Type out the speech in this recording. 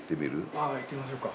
ああ行ってみましょうか。